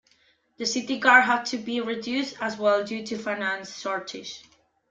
The city guard had to be reduced as well due to finance shortages.